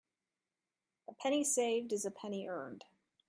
A penny saved is a penny earned.